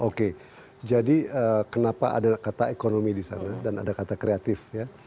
oke jadi kenapa ada kata ekonomi di sana dan ada kata kreatif ya